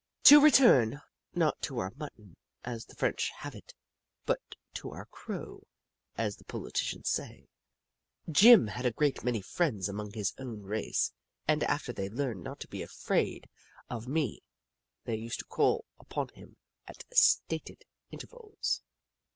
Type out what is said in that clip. To return, not to our mutton, as the French have it, but to our Crow, as the politicians say. Jim had a great many friends among his own race, and after they learned not to be afraid of ii8 The Book of Clever Beasts me, they used to call upon him at stated inter vals.